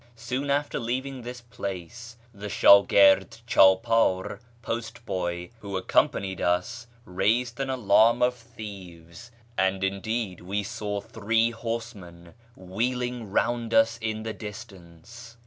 Soon after leaving this place the sh/u/ird clidpdr (post boy) who accompanied us raised an alarm of thieves, and indeed we saw three horseman wheeling round us in the distance.